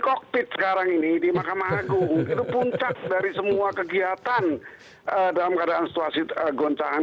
kokpit sekarang ini di mahkamah agung itu puncak dari semua kegiatan dalam keadaan situasi goncangan